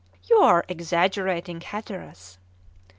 "You are exaggerating, Hatteras."